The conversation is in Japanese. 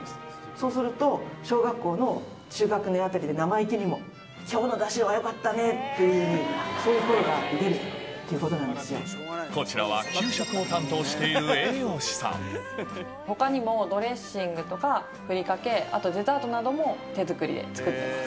そうすると、小学校の中学年あたりで生意気にも、きょうのだしはよかったねって、そういう声が出るということなんこちらは給食を担当しているほかにもドレッシングとかふりかけ、あとデザートなども手作りで作っています。